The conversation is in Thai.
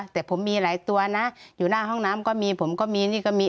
แต่ผมมีหลายตัวนะอยู่หน้าห้องน้ำก็มีผมก็มีนี่ก็มี